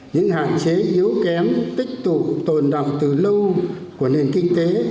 những hạn chế yếu kém tích tụ tồn đọng từ lâu của nền kinh tế